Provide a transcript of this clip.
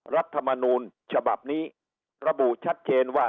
รัฐมนูลฉบับนี้ระบุชัดเจนว่า